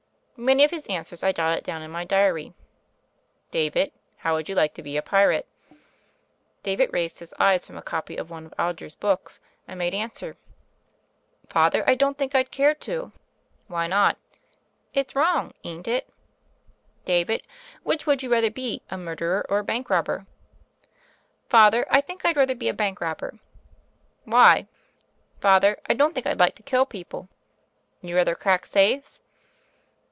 Many of his answers I jotted down in my diary. "David, how would like to bie a pirate ?" David raised his eyes from a copy of one of Alger's books, and made answer: 114 THE FAIRY OF THE SNOWS 115 "Father, I don't think I'd care to." "Why not?" "It's wrong: ain't it?" "David, which would you rather be — a murderer or a bank robber?" "Father, I think I'd rather be a bank robber." "Why?" "Father, I don't think I'd like to kill people." "You'd rather crack safes?"